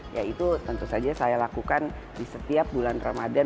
ya itu tentu saja saya lakukan di setiap bulan ramadan